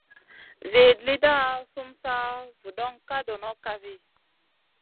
Zin lida sum sa vuŋa ka dono kafi ?